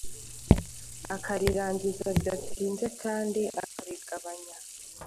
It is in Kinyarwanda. akarirangiza bidatinze, kandi akarigabanya.